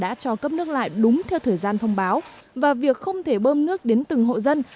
tây hà nội đã cấp nước lại đúng theo thời gian thông báo và việc không thể bơm nước đến từng hộ dân